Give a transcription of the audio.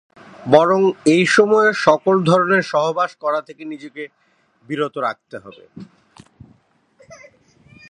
বরং এই সময়ে সকল ধরণের সহবাস করা থেকে নিজেকে বিরত রাখতে হবে।